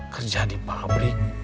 kerja di pabrik